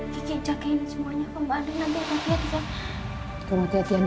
kiki jagain semuanya mbak adin nanti hati hati